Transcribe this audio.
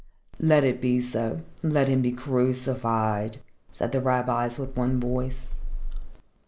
"Let it be so. Let him be crucified!" said the rabbis with one voice.